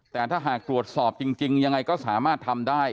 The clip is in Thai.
แต่ถ้าหากตรวจสอบจริงยังไงก็สามารถทำได้